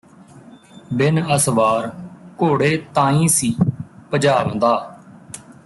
ਬਿਨ ਅਸਵਾਰ ਘੋੜੇ ਤਾਈਂ ਸੀ ਭਜਾਂਵਦਾ